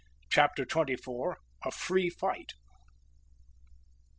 CHAPTER TWENTY FOUR. A FREE FIGHT.